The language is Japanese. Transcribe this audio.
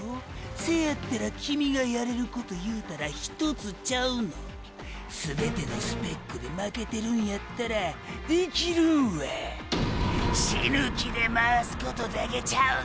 せやったらキミがやれるこというたらひとつちゃうの⁉全てのスペックで負けてるんやったらできるんはァ死ぬ気で回すことだけちゃうの⁉